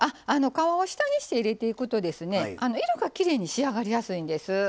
皮を下にして入れていくとですね色がきれいに仕上がりやすいんです。